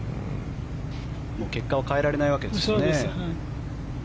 結果は変えられないわけですからね。